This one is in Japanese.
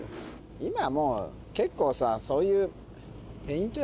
今はもう結構さそういう。